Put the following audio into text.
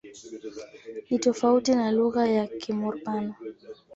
Ni tofauti na lugha ya Kimur-Pano.